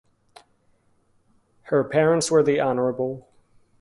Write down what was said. Her parents were The Hon.